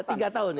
tiga tahun ya